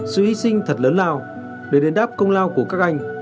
sự hy sinh thật lớn lao để đền đáp công lao của các anh